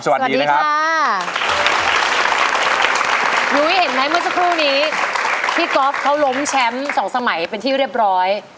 สวัสดีค่ะยุ้ยเห็นไหมเมื่อสักครู่นี้พี่ก๊อฟเขาล้มแชมป์สองสมัยเป็นที่เรียบร้อย